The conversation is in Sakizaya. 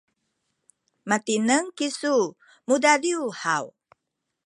matineng kisu mudadiw haw?